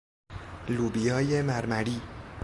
لوبیای مرمری